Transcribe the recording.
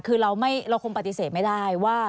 คือเราคงปฏิเสธไม่ได้ว่า